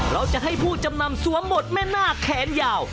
เราจะให้ผู้จำนำสวมบทแม่หน้าแขนยาว